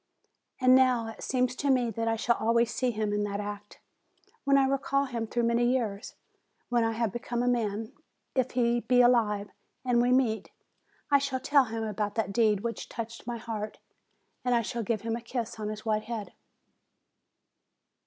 And, now, it seems to me that I shall always see him in that act, when I recall him through many years ; when I have become a man, if he be alive, and we meet, I shall tell him about that deed which touched my heart; and I shall give him a kiss on his white head.